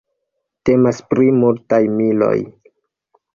Temas pri multaj miloj.